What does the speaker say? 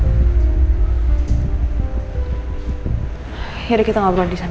setelah ini aku gak akan datengin kamu seperti ini lagi